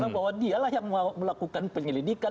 tumpak bahwa dia lah yang melakukan penyelidikan